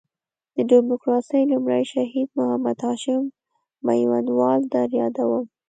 د ډیموکراسۍ لومړی شهید محمد هاشم میوندوال در یادوم.